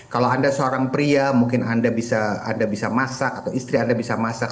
kalau anda seorang pria mungkin anda bisa masak atau istri anda bisa masak